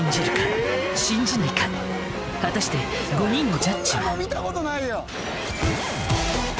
果たして５人のジャッジは？